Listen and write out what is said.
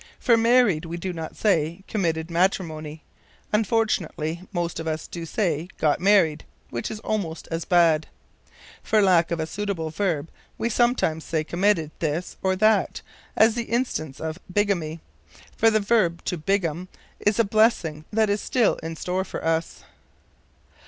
For married we do not say "committed matrimony." Unfortunately most of us do say, "got married," which is almost as bad. For lack of a suitable verb we just sometimes say committed this or that, as in the instance of bigamy, for the verb to bigam is a blessing that is still in store for us.